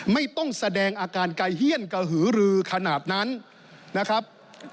ไม่ต้องแสดงอาการไกลเฮียนกระหือรือขนาดนั้นนะครับ